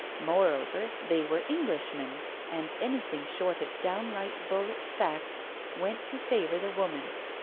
Moreover, they were Englishmen, and anything short of downright bullet facts went to favour the woman.